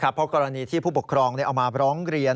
เพราะกรณีที่ผู้ปกครองเอามาร้องเรียน